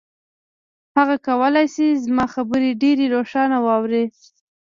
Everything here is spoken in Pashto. هغه کولای شي زما خبرې ډېرې روښانه واوري.